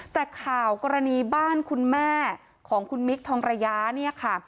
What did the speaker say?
แต่ข่าวกรณีบ้านคุณแม่ของคุณมิคทองระยะเนี่ยค่ะ